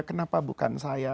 kenapa bukan saya